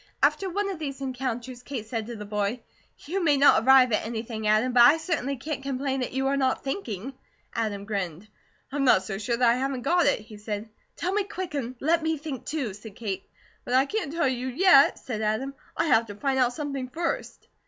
After one of these encounters Kate said to the boy: "You may not arrive at anything, Adam, but I certainly can't complain that you are not thinking." Adam grinned: "I'm not so sure that I haven't got it," he said. "Tell me quick and let me think, too" said Kate. "But I can't tell you yet," said Adam. "I have to find out something first."